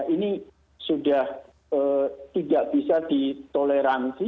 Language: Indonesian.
ini sudah tidak bisa ditoleransi